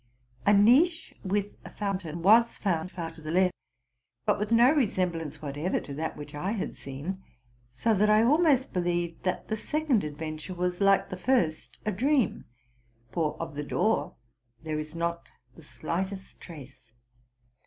A niche with a fountain was found far to the left, but with no resemblance whatever to that which I had seen; so that I almost believed that the second adventure was, like the first, a dream, for of the door there is not the slightest trace.